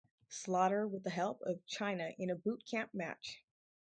Slaughter with the help of Chyna in a Boot Camp match.